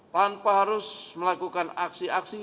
tanpa harus melakukan aksi aksi